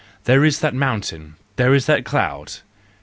There is that mountain! There is that cloud